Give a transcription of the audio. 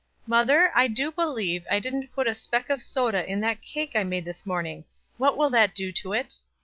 Mother, I do believe I didn't put a speck of soda in that cake I made this morning. What will that do to it?